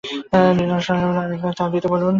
নিসার আলি বললেন, আরেক কাপ চা দিতে বলুন।